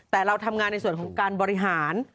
แต่เราทำงานในส่วนของการบริหาร